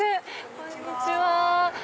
こんにちは。